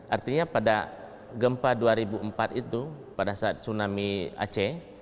artinya pada gempa dua ribu empat itu pada saat tsunami aceh